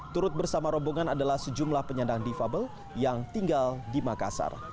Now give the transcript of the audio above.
turut bersama rombongan adalah sejumlah penyandang difabel yang tinggal di makassar